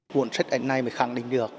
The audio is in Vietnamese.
cuốn sách này mới khẳng định được